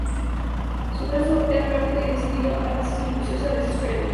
Su trazo es rápido y decidido,a veces minucioso, a veces sugerente.